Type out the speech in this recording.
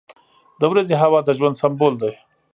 • د ورځې هوا د ژوند سمبول دی.